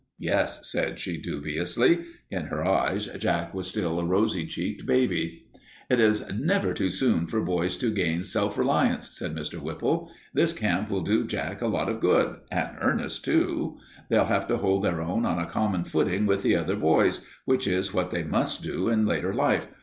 "Yes," said she, dubiously. In her eyes Jack was still a rosy cheeked baby. "It is never too soon for boys to gain self reliance," said Mr. Whipple. "This camp will do Jack a lot of good, and Ernest, too. They'll have to hold their own on a common footing with the other boys, which is what they must do in later life.